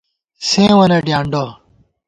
سېوں وَنہ ڈیانڈہ